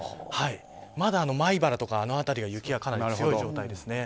まだ米原とかの辺りは雪が強い状態です。